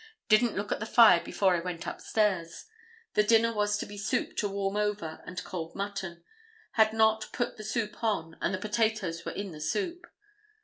Didn't look at the fire before I went upstairs. The dinner was to be soup to warm over and cold mutton. Had not put the soup on, and the potatoes were in the soup.